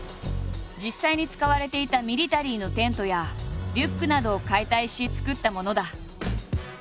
実際に使われていたミリタリーのテントやリュックなどを解体し作ったものだ。